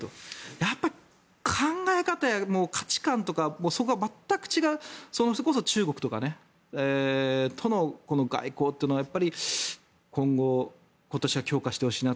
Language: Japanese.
やっぱり考え方、価値観とかそこが全く違うそれこそ中国との外交というのは今後、今年は強化してほしいなと。